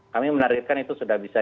kami menargetkan itu sudah bisa